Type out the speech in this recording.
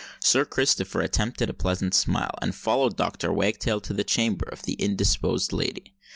Sir Christopher attempted a pleasant smile, and followed Dr. Wagtail to the chamber of the indisposed lady.